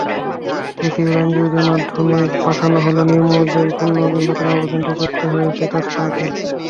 বিসিবির আইনজীবীদের মাধ্যমে পাঠানো হলেও নিয়ম অনুযায়ী পুনর্বিবেচনার আবেদনটি করতে হয়েছে তাসকিনকেই।